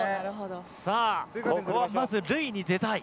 さあここはまず塁に出たい。